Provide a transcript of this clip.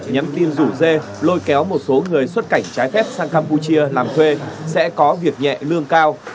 nhắn tin rủ dê lôi kéo một số người xuất cảnh trái phép sang campuchia làm thuê sẽ có việc nhẹ lương cao